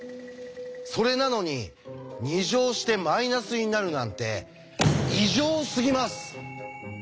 それなのに２乗してマイナスになるなんて異常すぎます！